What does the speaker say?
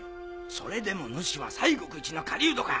それでも主は西国一の狩人か。